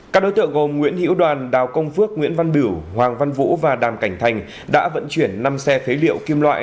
các đối tượng gồm nguyễn hữu đoàn đào công phước nguyễn văn biểu hoàng văn vũ và đàm cảnh thành đã vận chuyển năm xe phế liệu kim loại